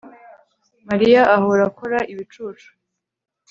Mariya ahora akora ibicucu